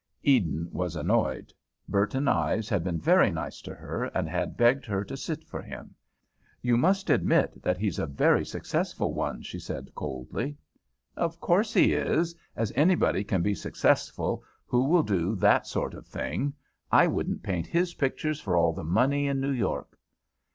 Eden was annoyed. Burton Ives had been very nice to her and had begged her to sit for him. "You must admit that he's a very successful one," she said coldly. "Of course he is! Anybody can be successful who will do that sort of thing. I wouldn't paint his pictures for all the money in New York."